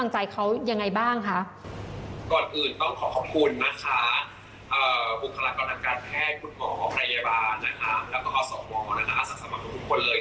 แล้วก็ส่องหมอนะคะสักสมัครของทุกคนเลย